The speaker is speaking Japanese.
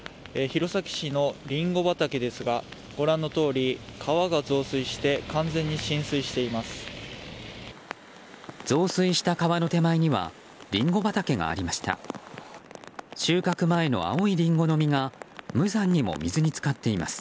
弘前市のリンゴ畑ですがご覧のとおり、川が増水して完全に浸水しています。